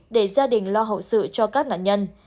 để gia đình lo hậu sự cho các nạn nhân